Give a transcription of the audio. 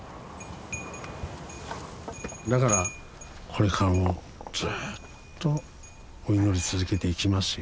だからこれからもずっとお祈り続けていきますよ。